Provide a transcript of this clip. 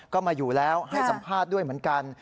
ก็มาอยู่แล้วให้สัมภาษณ์ด้วยเหมือนกัน